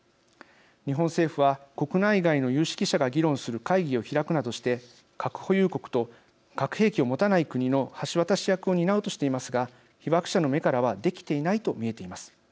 日本政府は国内外の有識者が議論する会議を開くなどして核保有国と核兵器を持たない国の橋渡し役を担うとしていますが被爆者の目からはできていないと見えています。